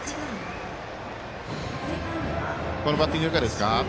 このバッティング、いかがですか。